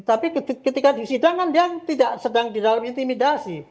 tapi ketika di sidang kan dia tidak sedang di dalam intimidasi